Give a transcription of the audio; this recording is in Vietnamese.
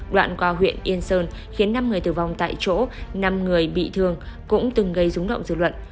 đoạn qua huyện yên sơn khiến năm người tử vong tại chỗ năm người bị thương cũng từng gây rúng động dự luận